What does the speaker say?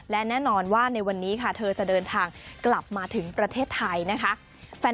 และแน่นอนว่าในวันนี้ค่ะเธอจะเดินทางกลับมาถึงประเทศไทยนะคะ